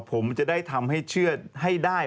ผมจะได้ทำให้เชื่อให้ได้